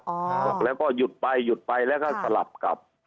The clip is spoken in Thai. ออกแล้วก็หยุดไปหยุดไปแล้วก็สลับกลับ